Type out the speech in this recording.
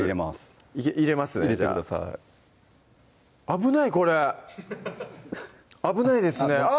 危ないこれ危ないですねあ